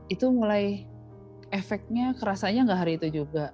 itu mulai efeknya kerasanya nggak hari itu juga